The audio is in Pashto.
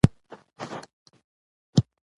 نو مه غمجن کېږئ